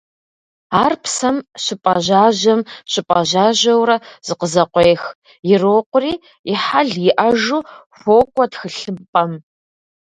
Ар псэм щыпӀэжьажьэм – щыпӀэжьажьэурэ зыкъызэкъуех, ирокъури, «и хьэл иӀэжу» хуокӀуэ тхылъымпӀэм.